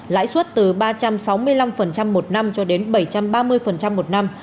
lãi suất từ ba trăm sáu mươi năm một năm cho đến bảy trăm ba mươi một năm